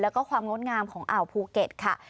แล้วก็ความงดงามของอ่าวภูเก็ตค่ะ